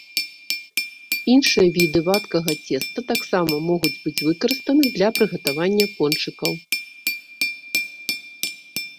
Іншыя віды вадкага цеста таксама могуць быць выкарыстаны для прыгатавання пончыкаў.